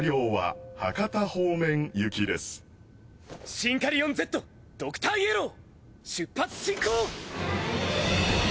シンカリオンＺドクターイエロー出発進行！